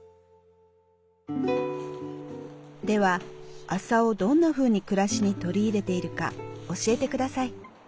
では麻をどんなふうに暮らしに取り入れているか教えて下さい。